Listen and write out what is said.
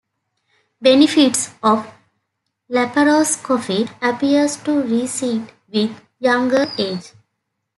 Benefits of laparoscopy appears to recede with younger age.